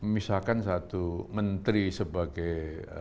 misahkan satu menteri sebagai